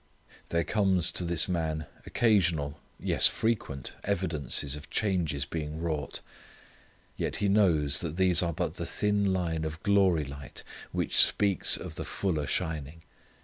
There comes to this man occasional, yes frequent, evidences of changes being wrought, yet he knows that these are but the thin line of glory light which speaks of the fuller shining.